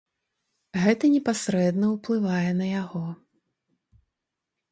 Гэта непасрэдна ўплывае на яго.